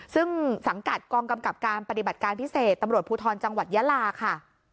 ซึ่งสังกัดกองกำกับการปฏิบัติการพิเศษตำรวจภูทรจังหวัดยาลาค่ะ